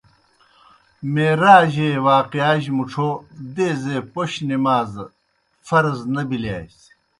معراج اےْ واقعہ جیْ مُڇھو دیزے پوْش نمازہ فرض نہ بِلِیاسیْ۔